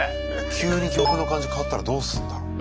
急に曲の感じ変わったらどうすんだろう？